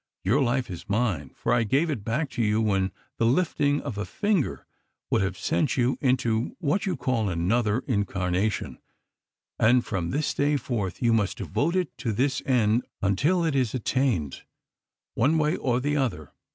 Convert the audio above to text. "Your life is mine, for I gave it back to you when the lifting of a finger would have sent you into what you would call another incarnation; and from this day forth you must devote it to this end until it is attained, one way or the other.